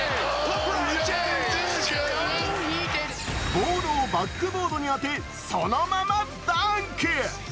ボールをバックボードに当てそのままダンク。